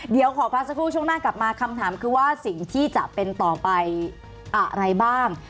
เดี๋ยวขอพักสักครู่ช่วงหน้ากลับมาคำถามคือว่าสิ่งที่จะเป็นต่อไปอะไรบ้าง